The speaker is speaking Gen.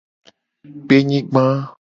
Kpenyigba.